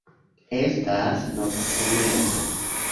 Estas noktomezo.